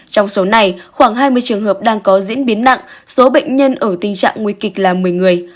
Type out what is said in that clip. trong số này khoảng hai mươi trường hợp đang có diễn biến nặng số bệnh nhân ở tình trạng nguy kịch là một mươi người